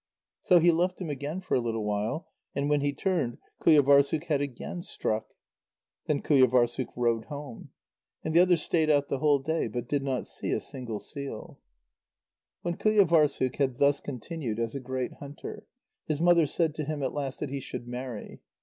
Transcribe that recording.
So he left him again for a little while, and when he turned, Qujâvârssuk had again struck. Then Qujâvârssuk rowed home. And the other stayed out the whole day, but did not see a single seal. When Qujâvârssuk had thus continued as a great hunter, his mother said to him at last that he should marry.